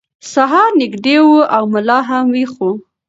سهار نږدې و او ملا هم ویښ و.